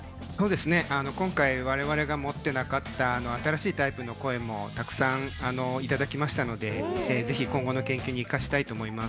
今回、我々が持っていなかった新しいタイプの声もたくさんいただきましたのでぜひ今後の研究に生かしたいと思います。